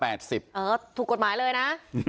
ถูกกฎหมายเลยนะ